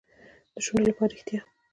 د شونډو لپاره ریښتیا.